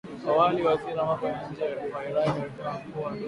Awali waziri wa mambo ya nje wa Iraq, alisema kuwa duru ya tano ya